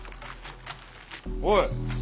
おい！